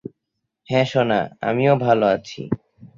হ্যাঁ সোনা, আমিও ভালো আছি।